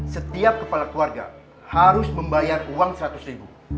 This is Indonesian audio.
setiap kepala keluarga harus membayar uang seratus ribu